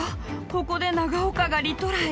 ここで長岡がリトライ。